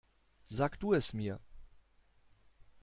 Sag du es mir.